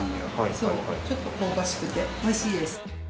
そうちょっと香ばしくて美味しいです。